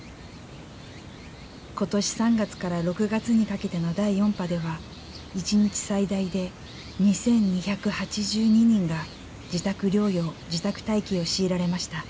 今年３月から６月にかけての第４波では一日最大で２，２８２人が自宅療養・自宅待機を強いられました。